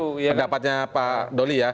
itu pendapatnya pak doli ya